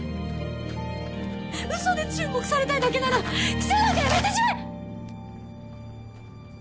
うそで注目されたいだけなら記者なんかやめてしまえ！